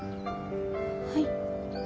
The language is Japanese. はい。